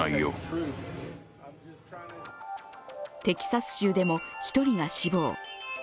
テキサス州でも１人が死亡。